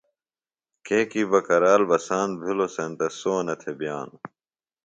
کیکی بکرال بساند بِھلوۡ سینتہ سونہ تھےۡ بئانوۡ